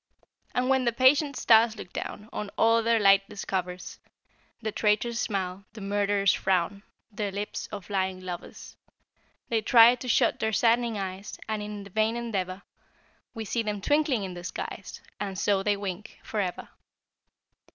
And when the patient stars look down, On all their light discovers, The traitor's smile, the murderer's frown, The lips of lying lovers, They try to shut their saddening eyes And in the vain endeavor We see them twinkling in the skies, And so they wink, forever.